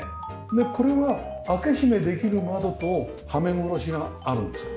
これは開け閉めできる窓とはめ殺しがあるんですか？